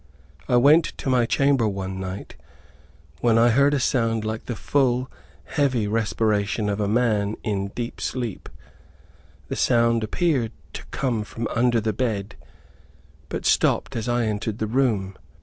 I went to my chamber one night, when I heard a sound like the full, heavy respiration of a man in deep sleep. The sound appeared to come from under the bed, but stopped as I entered the room.